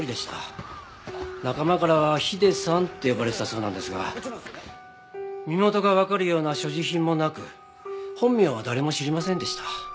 仲間からはヒデさんって呼ばれてたそうなんですが身元がわかるような所持品もなく本名は誰も知りませんでした。